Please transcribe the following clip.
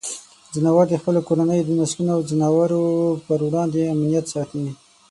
ځناور د خپلو کورنیو نسلونو او ځناورو پر وړاندې امنیت ساتي.